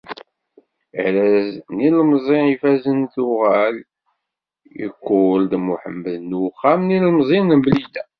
Arraz n yilemẓi ifazen tuɣal i Kurd Muḥemmed n uxxam n yilemẓiyen n Blida.